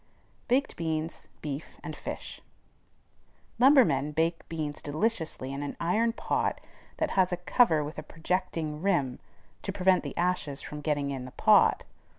BAKED BEANS, BEEF, AND FISH. Lumbermen bake beans deliciously in an iron pot that has a cover with a projecting rim to prevent the ashes from getting in the pot.